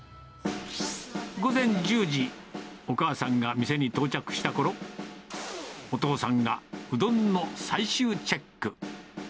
午前１０時、お母さんが店に到着したころ、お父さんがうどんの最終チェック。